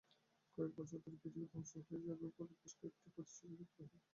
কয়েক বছর ধরে পৃথিবী ধ্বংস হয়ে যাবে বলে বেশ কয়েকটি ভবিষ্যদ্বাণী করা হয়।